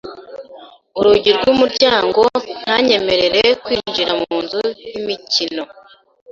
Urugi rw'umuryango ntanyemereye kwinjira mu nzu y'imikino.